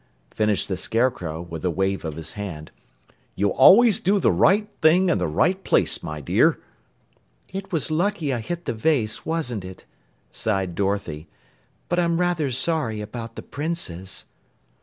finished the Scarecrow with a wave of his hand. "You always do the right thing in the right place, my dear." "It was lucky I hit the vase, wasn't it?" sighed Dorothy. "But I'm rather sorry about the Princes."